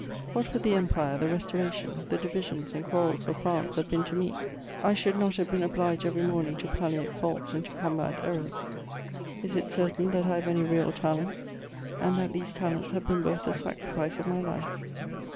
What would the Empire, the Restoration, the divisions and quarrels of France have been to me? I should not have been obliged every morning to palliate faults and to combat errors. Is it certain that I have any real talents, and that these talents have been worth the sacrifice of my life